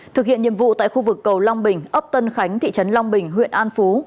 thực hiện nhiệm vụ tại khu vực cầu long bình ấp tân khánh thị trấn long bình huyện an phú